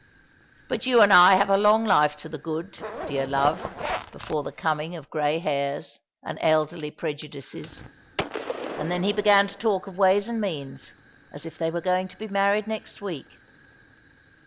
But you and I have a long life to the good, dear love, before the coming of grey hairs and elderly prejudices.' And then he began to talk of ways and means, as if they were going to be married next week.